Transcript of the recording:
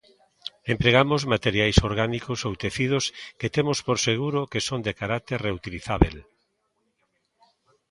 Empregamos materiais orgánicos ou tecidos que temos por seguro que son de carácter reutilizábel.